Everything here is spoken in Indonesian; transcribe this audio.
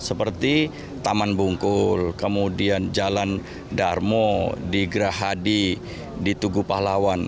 seperti taman bungkul kemudian jalan darmo di grahadi di tugu pahlawan